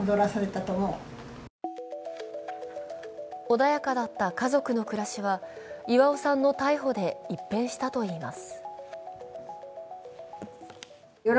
穏やかだった家族の暮らしは巌さんの逮捕で一変したといいます。